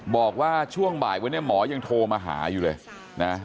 บอกว่าช่วงบ่ายวันนี้หมอยังโทรมาหาอยู่เลยนะ